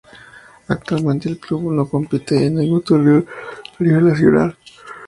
Actualmente el club no compite en ningún torneo a nivel nacional.